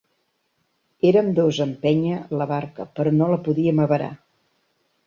Érem dos a empènyer la barca, però no la podíem avarar.